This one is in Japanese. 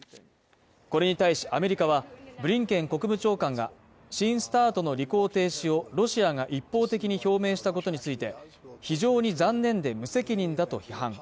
これに対し、アメリカはブリンケン国務長官が新ＳＴＡＲＴの履行停止をロシアが一方的に表明したことについて非常に残念で無責任だと批判